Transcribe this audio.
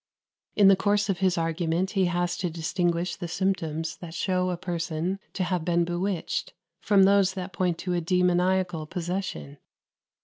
In the course of his argument he has to distinguish the symptoms that show a person to have been bewitched, from those that point to a demoniacal possession.